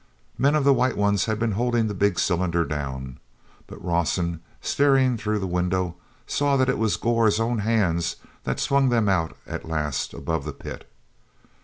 Men of the White Ones had been holding the big cylinder down. But Rawson, staring through the window, saw that it was Gor's own hands that swung them out at last above the pit.